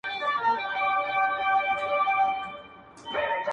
o دا د ژوند ښايست زور دی، دا ده ژوند چيني اور دی.